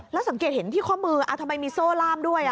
แล้วสังเกตเห็นที่ข้อมือทำไมมีโซ่ล่ามด้วย